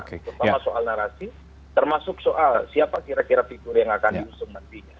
terutama soal narasi termasuk soal siapa kira kira figur yang akan diusung nantinya